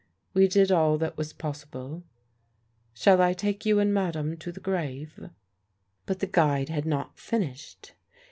We did all that was possible. Shall I take you and madame to the grave?" But the guide had not finished.